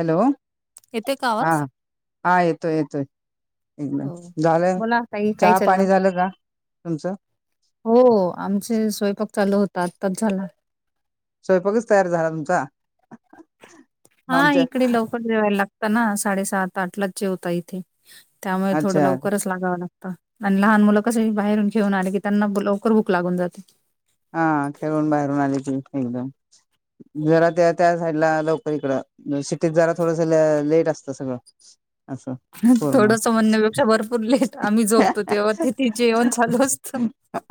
Hello येते का हा आवाज. हा येतोय येतोय. हो [unintelligible] बोला ताई काय चहा पाणी चाललं? झालं का तुमचं. हो हो आमचे स्वयंपाक चालू होता आत्ताच झाला. स्वयंपाकच तयार झाला तुमचा. हा आमच्या इकडे लवकर जेवायला लागतं ना साडेसात आठलाच जेवता इथे. त्यामुळे थोडं अच्छा लवकरच. लागाव लागत आणि लहान मुलं कशी बाहेरून खेळून आले की त्यांना लवकर भुक लागून जाते. हा खेळून बाहेरून आले त एकदम जरा त्या त्या साईडला लोक इकड सिटीत जारा थोडंस अ लेट असतं सगळं. असं पूर्ण थोडस म्हणण्यापेक्षा भरपूर लेट आम्ही झोपतो तेव्हा तेथे जेवण चालू असत.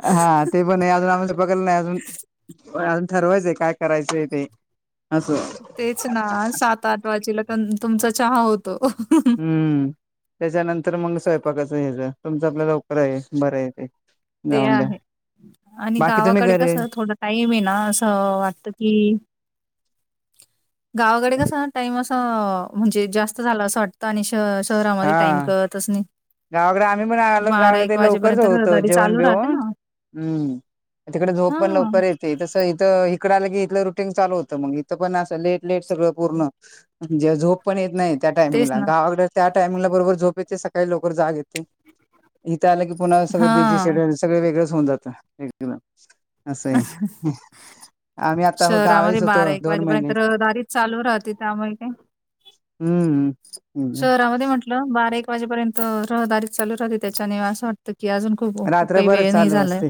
हा ते मी पण नाही अजून [inaudible] बघल नाही अजून अजून ठरवायचंय काय करायचंय ते असं तेच ना सात आठ वाजेला तर तुमचा चहा होतो. हम्म त्याच्यानंतर मग स्वयंपाकाच ह्याज तुमचं आपलं लवकर ये बरं ये ते. ते जाऊन द्या आहे आणि बाकी तुम्ही गावाकडे घरी कस थोडं टाईम ये ना असं वाटत की गावाकडे कसं टाईम असं म्हणजे जास्त झाला असं वाटत. आणि श हा शहरामध्ये टाइम कळतच नाही. गावाकडे आम्ही पण आल [inaudible] लवकरच वाजेपर्यंत होतं रहदारी जेवण चालू राहते जेवण ना. हम तिकडे झोप पण हां, लवकर ये - तस इथ इकड आल की इथलं रुटीन चालू होतं मग इथं पण असं लेट लेट सगळं पूर्ण. जा झोप. पण येत नाही त्या तेच टायमिंगला. ना. गावाकडे त्या टायमिंगला बरोबर झोप येते. सकाळी लवकर जाग येते. इथ आलं की पुन्हा सगळ बिझी हां, शेड्युल सगळ वेगळच होऊन जातं. हं. असं ए. आम्ही आता शहरामध्ये गावीच होतो दोन वाजेपर्यंत महिने. रहदारीच चालू राहते. त्यामुळे काय - हम्म. हम्म शहरामध्ये म्हटलं बारा एक वाजेपर्यंत रहदारीच चालू राहते. त्याच्याने असं वाटतं की अजून खूप खूप काही रात्रभरच वेळ नाही चालू झालाय. असते.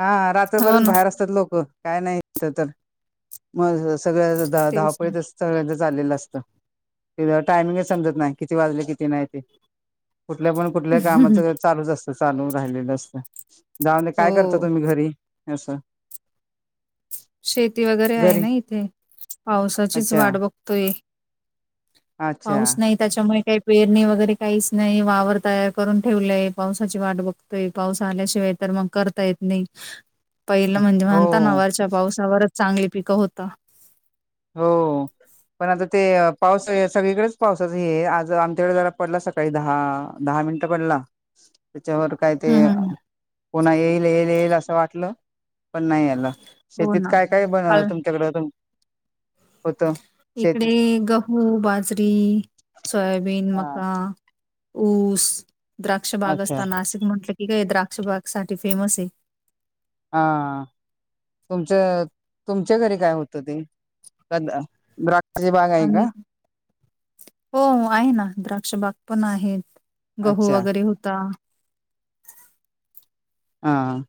हां. हो रात्रभरच ना, बाहेर असतात लोक. काय नाही. ते तर. मग सगळ ध तेच ना. धावपळीत - सगळ्यांच चाललेलं असतं. ते टायमिंगच समजत नाही. किती वाजले किती नाही ते? कुठल्या पण - कुठल्या कामाचं चालूच असतं. चालू राहिलेलं असतं. जाऊंदे काय करता हो, तुम्ही घरी? असं. शेती वगैरे आहे घरी ना इथे. पावसाचीच अच्छा वाट बघतोय. अच्छा पाऊस नाही. त्याच्यामुळे काही पेरणी वगैरे काहीच नाही. वावर तयार करून ठेवलंय. पावसाची वाट बघतोय. पाऊस आल्याशिवाय तर मग करता येत नाही. [unintelligible] पहिलं म्हणजे हो म्हणता ना? वरच्या पावसावरच चांगली पिकं होतं. हो. पण आता ते पाऊस सगळीकडेच पावसाचा हे आहे. आज आमच्याकडे जरा पडला स - काही दहा, दहा मिनिटं पडला. त्याच्यावर काय हं, ते हं, हं. पुन्हा येईल येईल येईल असं वाटलं - पण नाही आल. हो शेतीत ना. काय काय बन काल तुमच्याकड होत? इकडे गहू, बाजरी, सोयाबीन, हा मका. ऊस, द्राक्षबाग अच्छा असता. नाशिक म्हटलं की काय द्राक्षबाग साठी फेमस आहे. हा. तुमच तुमच्या घरी काय होत ते? [unintelligible] आहे आणि, का हो आहे ना. द्राक्ष बाग पण आहेत. गहू अच्छा वगैरे होता. हा.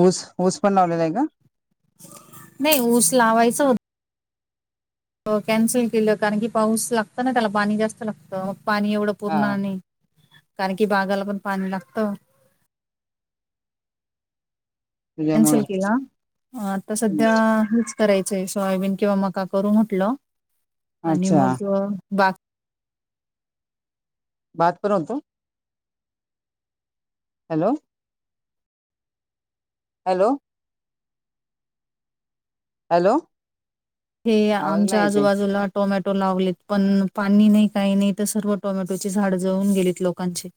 ऊस, ऊस पण लावलेला आहे का? नाही ऊस लावायचा हो - हो. कॅन्सल केलं कारण की पाऊस लागत ना त्याला? पाणी जास्त लागतं मग पाणी एवढं हा पुरणार नाही. कारण की बागाला पण पाणी लागतं. त्याच्यामुळे कॅन्सल केला हां. आता सध्या हेच - करायचंय. सोय बीन किंवा मका करू म्हटलं आणि अच्छा मग - भातपण होतो? हॅलो. हॅलो. हॅलो. हे आवाज आमच्या नाही येते आजूबाजूला - टोमॅटो लावलेत. पण पाणी नाही काही नाही तर सर्व टोमॅटोचे झाड जळून गेलीत लोकांचे.